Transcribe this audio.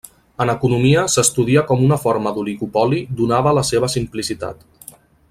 En economia s'estudia com una forma d'oligopoli donada la seva simplicitat.